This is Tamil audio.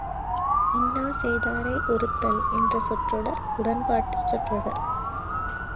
இன்னாசெய்தாரை ஒறுத்தல் என்ற சொற்றொடர் உடன்பாட்டுச் சொற்றொடர்.